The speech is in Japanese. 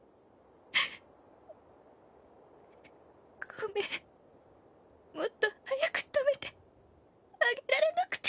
ごめんもっと早く止めてあげられなくて。